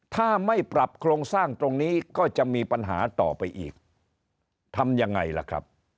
ถ้าไม่ปรับโครงสร้างตรงนี้ก็จะมีปัญหาต่อไปอีกทำยังไงล่ะครับ